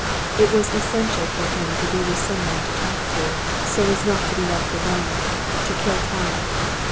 It was essential for him to be with someone to talk to, so as not to be left alone, to kill time.